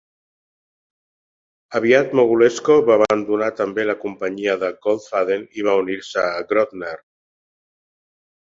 Aviat, Mogulesko va abandonar també la companyia de Goldfaden i va unir-se a Grodner.